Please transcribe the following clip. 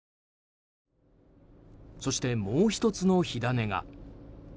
そして、もう１つの火種が。